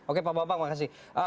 oke pak bapak makasih